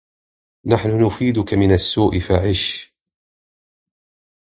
نحن نفديك من السوء فعش